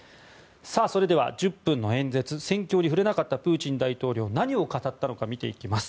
それでは１０分の演説戦況に触れなかったプーチン大統領何を語ったのか見ていきます。